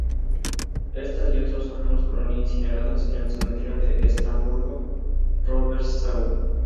Estas y otros órganos fueron incinerados en el cementerio de Estrasburgo-Robertsau".